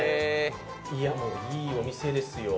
いや、もう、いいお店ですよ。